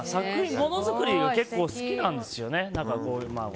もの造りが結構好きなんですよね。